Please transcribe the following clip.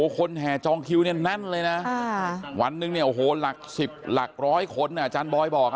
คนแห่จองคิวนั่นเลยนะวันหนึ่งหลักสิบหลักร้อยคนอาจารย์บอยบอก